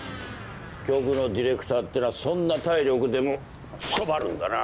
局のディレクターってのはそんな体力でも務まるんだな。